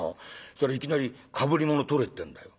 そしたらいきなり『かぶり物取れ』ってんだよ。